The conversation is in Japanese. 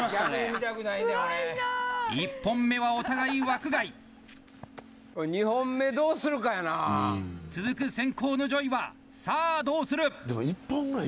１本目はお互い枠外続く先攻のＪＯＹはさあどうする？